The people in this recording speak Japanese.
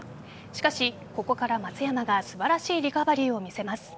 しかしここから松山が素晴らしいリカバリーを見せます。